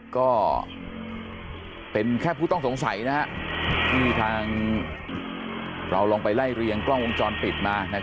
ก็เป็นแค่ผู้ต้องสงสัยที่ทางเราลองไปไล่เรียงกล้องวงจรปิดมา